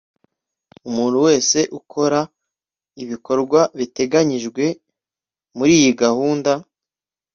Umuntu wese ukora ibikorwa biteganyijwe muri iyi gahunda